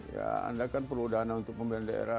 ya anda kan perlu dana untuk pembelian daerah